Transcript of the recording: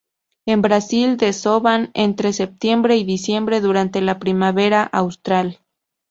En Brasil desovan entre septiembre y diciembre durante la primavera austral.